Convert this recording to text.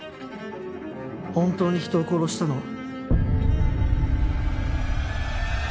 本当に人を殺したのは。